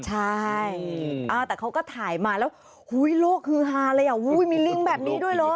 ใช่อ่ะแต่เขาก็ถ่ายมาแล้วโหโหโหหุ๊ยโลกหึงหาเลยอ่ะมีลิ้งแบบนี้ด้วยเหรอ